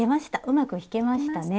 うまく引けましたね。